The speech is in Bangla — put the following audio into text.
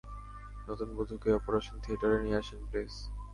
নতুন বধূকে অপারেশন থিয়েটারে নিয়ে আসেন, প্লিজ।